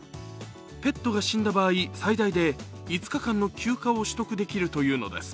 ペットが死んだ場合、最大で５日間の休暇を取得できるというのです。